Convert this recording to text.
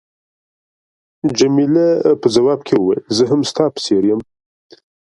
جميله په ځواب کې وویل، زه هم ستا په څېر یم.